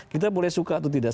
kita boleh suka atau tidak